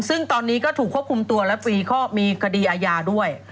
ซึ่งตอนนี้ก็ถูกควบคุมตัวและฟรีก็มีคดีอาญาด้วย